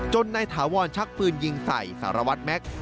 นายถาวรชักปืนยิงใส่สารวัตรแม็กซ์